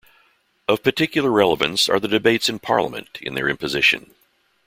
Of particular relevance are the debates in Parliament in their imposition.